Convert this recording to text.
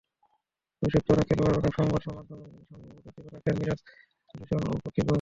অভিষিক্ত অনেক খেলোয়াড় যেখানে সংবাদ মাধ্যমের সামনে অপ্রতিভ থাকেন, মিরাজ সেখানে ভীষণ সপ্রতিভ।